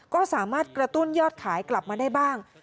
ก็สามารถกระตุ้นยอดขายกลับมาได้บ้าง